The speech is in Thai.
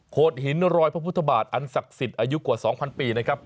หินรอยพระพุทธบาทอันศักดิ์สิทธิ์อายุกว่า๒๐๐ปีนะครับ